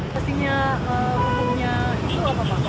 pastinya umumnya itu apa pak